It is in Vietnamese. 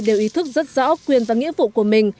đều ý thức rất rõ quyền và nghĩa vụ của mình